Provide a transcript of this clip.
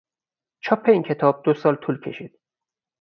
چاپ این کتاب دو سال طول کشید.